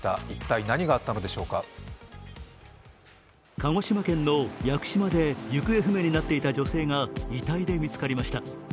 鹿児島県の屋久島で行方不明になっていた女性が遺体で見つかりました。